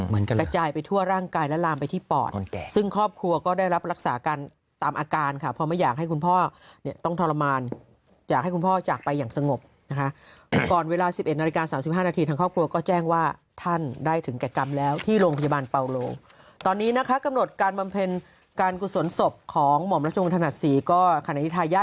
กระจายไปทั่วร่างกายและลามไปที่ปอดซึ่งครอบครัวก็ได้รับรักษาการตามอาการค่ะเพราะไม่อยากให้คุณพ่อเนี่ยต้องทรมานอยากให้คุณพ่อจากไปอย่างสงบนะคะก่อนเวลา๑๑นาฬิกา๓๕นาทีทางครอบครัวก็แจ้งว่าท่านได้ถึงแก่กรรมแล้วที่โรงพยาบาลเปาโลตอนนี้นะคะกำหนดการบำเพ็ญการกุศลศพของหม่อมรัชวงธนศรีก็ขณะที่ทายาท